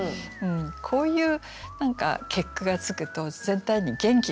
こういう何か結句がつくと全体に元気が出ませんか？